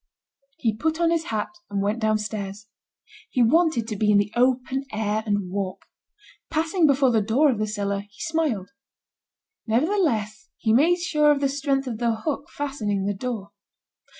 He put on his hat, and went downstairs. He wanted to be in the open air and walk. Passing before the door of the cellar, he smiled. Nevertheless, he made sure of the strength of the hook fastening the door.